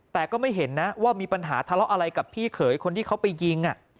แต่ก็ไม่เห็นนะว่ามีปัญหาทะเลาะอะไรกับพี่เขยคนที่เขาไปยิง